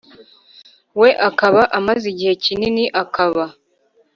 we akaba amaze igihe kinini akaba